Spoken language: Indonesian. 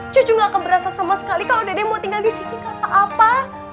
cucu nggak keberatan sama sekali kalau dede mau tinggal di sini kata apa